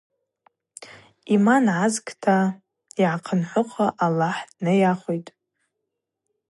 Ъиман гӏазгта йгӏахъынхӏвыхуа Аллахӏ днайахвхитӏ.